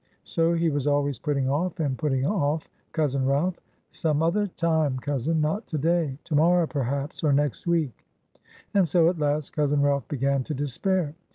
So he was always putting off, and putting off cousin Ralph. 'Some other time, cousin; not to day; to morrow, perhaps; or next week;' and so, at last cousin Ralph began to despair.